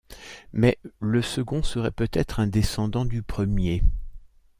Mais le second serait peut-être un descendant du premier.